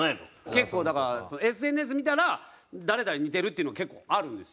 結構だからＳＮＳ見たら「誰々に似てる」っていうのが結構あるんですよ。